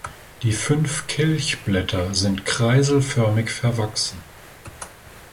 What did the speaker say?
Die fünf Kelchblätter sind kreiselförmig verwachsen.